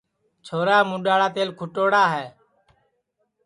چھورا مُڈؔاڑا تیل کُھٹوڑا ہے